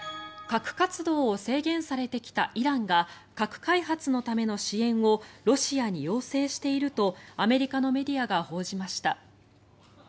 核活動を制限されてきたイランが核開発のための支援をロシアに要請しているとアメリカのメディアが報じました。